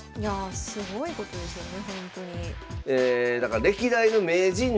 すごいことですよね